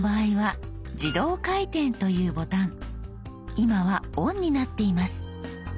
今は「ＯＮ」になっています。